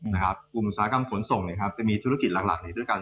นะครับกลุ่มอุตสาหกรรมขนส่งนะครับจะมีธุรกิจหลักหลักด้วยกัน